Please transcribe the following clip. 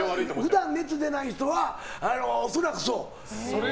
普段、熱出ない人は恐らくそう。